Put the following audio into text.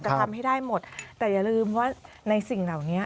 ทำให้ได้หมดแต่อย่าลืมว่าในสิ่งเหล่านี้